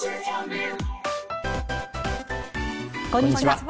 こんにちは。